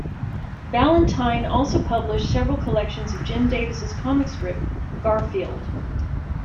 Ballantine also published several collections of Jim Davis' comic strip "Garfield".